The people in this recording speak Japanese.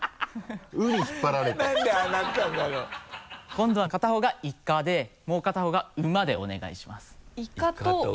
今度は片方が「いか」でもう片方が「うま」でお願いします「いか」と「うま」？